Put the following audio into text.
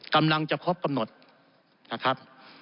กำลังจะครบกำหนดนะครับ